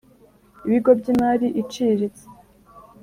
Ibigo by’ imari iciriritse